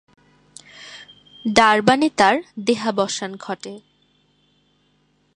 ডারবানে তার দেহাবসান ঘটে।